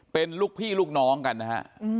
เป็นลูกพี่ลูกน้องกันนะฮะ